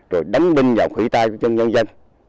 rồi đánh binh vào khủy tay của dân dân